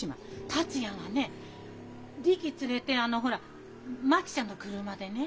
達也がねリキ連れてあのほら真紀ちゃんの車でね